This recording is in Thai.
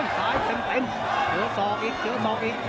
ขายเต็มเดี๋ยวสอบอีกเดี๋ยวสอบอีก